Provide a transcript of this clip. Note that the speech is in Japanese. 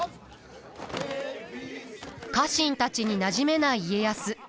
家臣たちになじめない家康。